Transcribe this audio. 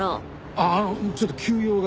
あああのちょっと急用が。